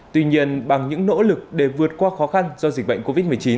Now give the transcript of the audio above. tuy nhiên bằng những nỗ lực để vượt qua khó khăn do dịch bệnh covid một mươi chín